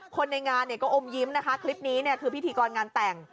คนในงานก็อมยิ้มนะคะคลิปนี้คือพี่ทีกรงานแต่ง